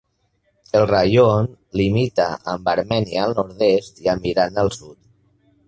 El raion limita amb Armènia al nord-est i amb Iran al sud.